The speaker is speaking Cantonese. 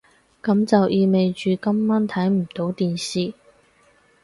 噉就意味住今晚睇唔到電視